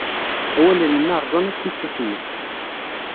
Awalen-nni rẓan-as tissas-nnes.